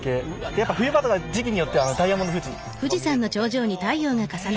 やっぱ冬場とか時期によってはダイヤモンド富士とかも見れるので。